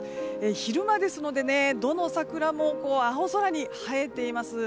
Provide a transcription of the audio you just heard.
昼間ですのでどの桜も青空に映えています。